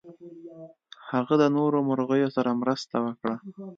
هغه د نورو مرغیو سره مرسته وکړه.